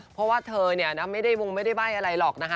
เพราะว่าเธอเนี่ยนะไม่ได้วงไม่ได้ใบ้อะไรหรอกนะคะ